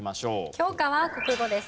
教科は国語です。